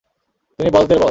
তিনি বসদের বস।